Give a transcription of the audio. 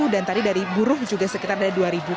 dan tadi dari buruh juga sekitar ada dua